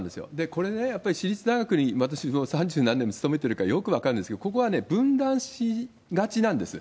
これね、やっぱり私立大学に、私も三十何年も勤めるからよく分かるんですけれども、ここはね、分断しがちなんです。